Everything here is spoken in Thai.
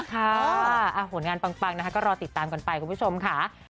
ค่ะหลวงงานปังก็รอติดตามก่อนไปคุณผู้ชมค่ะ